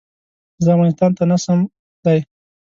زه افغانستان ته نه سم تلی